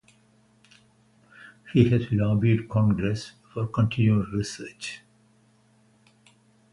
He has lobbied Congress for continued research.